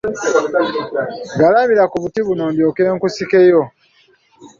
Galamira ku buti buno ndyoke nkusikeyo.